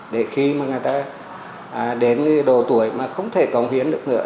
để khi mà người ta đến độ tuổi mà không thể cống hiến được nữa